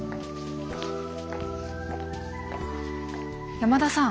山田さん。